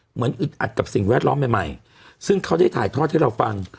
อึดอัดกับสิ่งแวดล้อมใหม่ใหม่ซึ่งเขาได้ถ่ายทอดให้เราฟัง